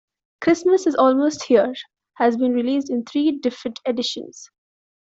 "Christmas Is Almost Here" has been released in three different editions.